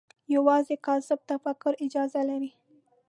یوازې کاذب تفکر اجازه لري